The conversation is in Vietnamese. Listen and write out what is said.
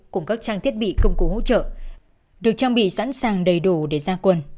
cùng các trang thiết bị công cụ hỗ trợ được trang bị sẵn sàng đầy đủ để ra quần